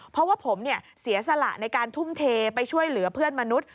เพราะว่าผมเสียสละในการทุ่มเทไปช่วยเหลือเพื่อนมนุษย์